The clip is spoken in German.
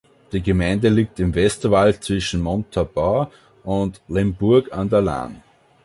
Die Gemeinde liegt im Westerwald zwischen Montabaur und Limburg an der Lahn.